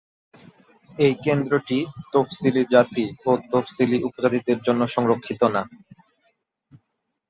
এই কেন্দ্রটি তফসিলি জাতি ও তফসিলী উপজাতিদের জন্য সংরক্ষিত না।